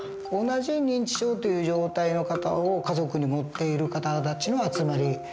同じ認知症という状態の方を家族に持っている方たちの集まり